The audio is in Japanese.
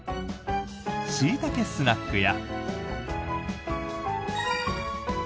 しいたけスナックや。